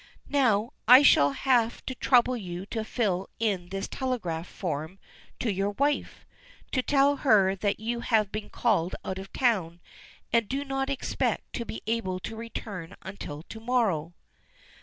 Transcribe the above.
"Now I shall have to trouble you to fill in this telegraph form to your wife, to tell her that you have been called out of town, and do not expect to be able to return until to morrow."